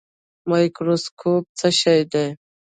مایکروسکوپ څه شی دی؟